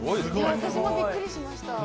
私もびっくりしました。